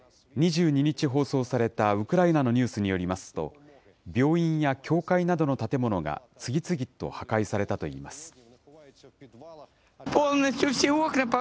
２２日放送されたウクライナのニュースによりますと、病院や教会などの建物が次々と破壊されたといいます。